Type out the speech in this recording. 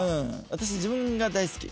私自分が大好き。